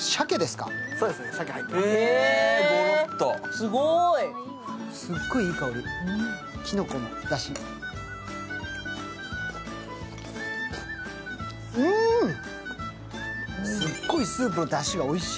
すっごいいい香り、きのこのだし。